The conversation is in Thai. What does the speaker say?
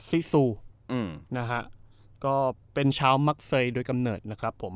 ซิซูอืมนะฮะก็เป็นชาวมักเซยโดยกำเนิดนะครับผม